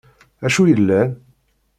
Acu yellan?